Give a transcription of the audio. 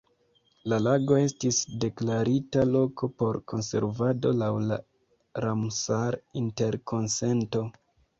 La lago estis deklarita loko por konservado laŭ la Ramsar-Interkonsento.